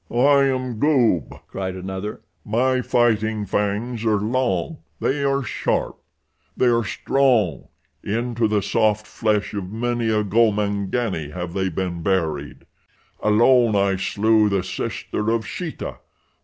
"I am Goob," cried another. "My fighting fangs are long. They are sharp. They are strong. Into the soft flesh of many a Gomangani have they been buried. Alone I slew the sister of Sheeta.